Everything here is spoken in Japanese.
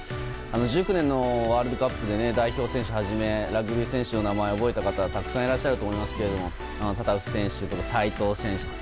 １９年のワールドカップで代表選手をはじめラグビー選手の名前を覚えた方、たくさんいらっしゃると思いますがタタフ選手とか齋藤選手